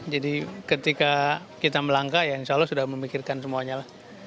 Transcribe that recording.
jadi ketika kita melangkah ya insya allah sudah memikirkan semuanya lah